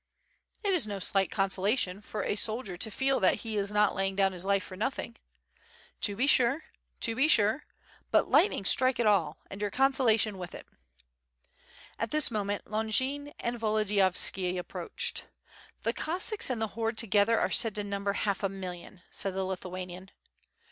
"It is no slight consolation for a soldier to feel that he is not laying down his life for nothing." "To be sure! to be sure! ... But lightning strike it all! and your consolation with it." At this moment Ix)ngin and Volodiyovski approached. "The Cossacks and the hordes altogether are said to num ber half a million," said the Lithuanian.